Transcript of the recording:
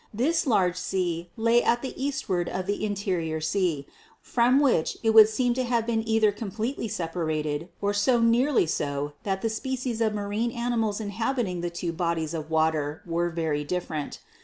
This large sea lay to the eastward of the HISTORICAL GEOLOGY 215 Interior Sea, from which it would seem to have been either completely separated or so nearly so that the species of marine animals inhabiting the two bodies of water were very different.